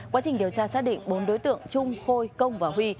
quá trình điều tra xác định bốn đối tượng trung khôi công và huy